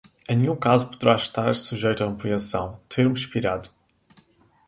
Em nenhum caso poderá estar sujeito a ampliação, termo expirado.